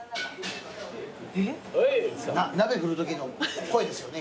えっ？鍋振るときの声ですよね。